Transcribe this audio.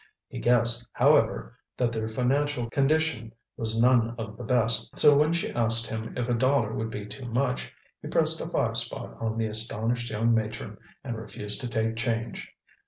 He guessed, however, that their financial condition was none of the best, so when she asked him if a dollar would be too much, he pressed a five spot on the astonished young matron and refused to take change.